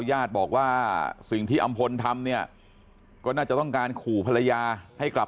ญาติบอกว่าสิ่งที่อำพลทำเนี่ยก็น่าจะต้องการขู่ภรรยาให้กลับ